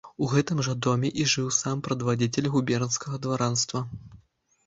У гэтым жа доме і жыў сам прадвадзіцель губернскага дваранства.